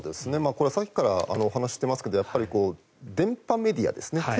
これはさっきからお話ししていますがやっぱり電波メディアですね。